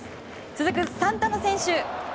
続くサンタナ選手。